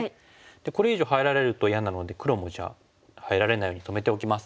これ以上入られると嫌なので黒もじゃあ入られないように止めておきます。